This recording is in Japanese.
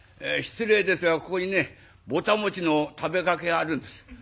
失礼ですがここにねぼた餅の食べかけがあるんです。